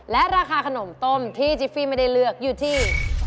และราคาขนมต้มที่จิฟฟี่ไม่ได้เลือกอยู่ที่